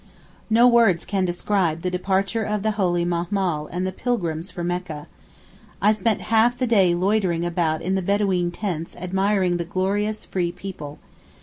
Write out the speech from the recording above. No words can describe the departure of the holy Mahmal and the pilgrims for Mecca. I spent half the day loitering about in the Bedaween tents admiring the glorious, free people.